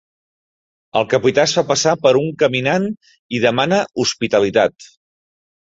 El capità es fa passar per un caminant i demana hospitalitat.